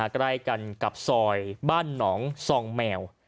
ใกล้กันกับซอยบ้านหนองซองแมว